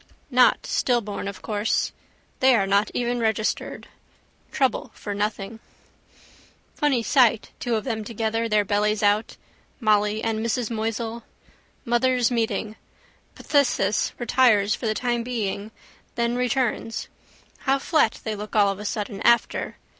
Not stillborn of course. They are not even registered. Trouble for nothing. Funny sight two of them together, their bellies out. Molly and Mrs Moisel. Mothers' meeting. Phthisis retires for the time being, then returns. How flat they look all of a sudden after.